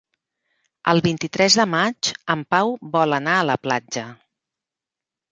El vint-i-tres de maig en Pau vol anar a la platja.